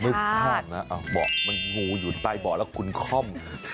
ไม่พลาดนะเอ้าเบาะมันงูอยู่ในใต้เบาะแล้วคุณค่อม